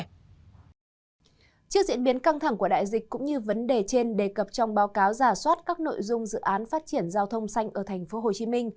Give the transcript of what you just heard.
trước diễn biến căng thẳng của đại dịch cũng như vấn đề trên đề cập trong báo cáo giả soát các nội dung dự án phát triển giao thông xanh ở tp hcm